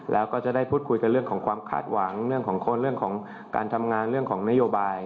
แล้วก็จะได้พูดคุยกันเรื่องของความขาดหวังเรื่องของคนเรื่องของการทำงานเรื่องของนโยบาย